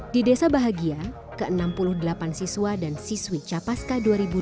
di desa bahagia ke enam puluh delapan siswa dan siswi capaska dua ribu dua puluh